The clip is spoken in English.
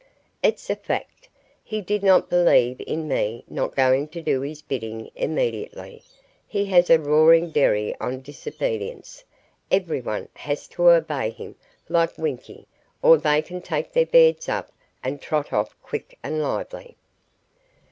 "It's a fact. He did not believe in me not going to do his bidding immediately. He has a roaring derry on disobedience. Everyone has to obey him like winkie or they can take their beds up and trot off quick and lively."